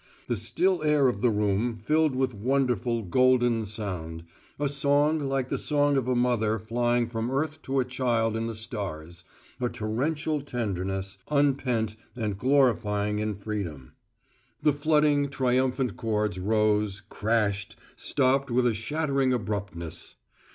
The still air of the room filled with wonderful, golden sound: a song like the song of a mother flying from earth to a child in the stars, a torrential tenderness, unpent and glorying in freedom. The flooding, triumphant chords rose, crashed stopped with a shattering abruptness.